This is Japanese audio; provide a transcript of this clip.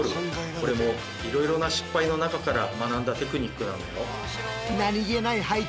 これもいろいろな失敗の中から学んだテクニックなんだよ。